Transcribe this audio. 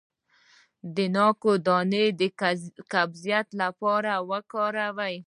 د ناک دانه د قبضیت لپاره وکاروئ